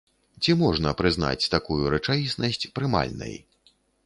Ці можна прызнаць такую рэчаіснасць прымальнай?